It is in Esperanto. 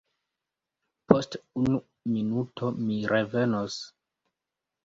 Post unu minuto mi revenos.